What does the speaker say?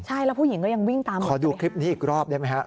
ใช่แล้วผู้หญิงก็ยังวิ่งตามไปห้าม